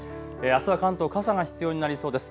あすは関東、傘が必要になりそうです。